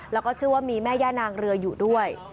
แล้วก็เชื่อว่ามีแม่ย่านางเรืออยู่ด้วย